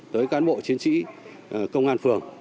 tới cán bộ chiến sĩ công an phường